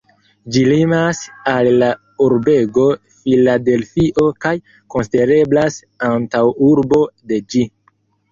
Ĝi limas al la urbego Filadelfio kaj konsidereblas antaŭurbo de ĝi.